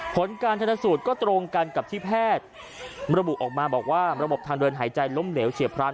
ผลการชนสูตรก็ตรงกันกับที่แพทย์ระบุออกมาบอกว่าระบบทางเดินหายใจล้มเหลวเฉียบพลัน